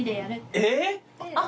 えっ！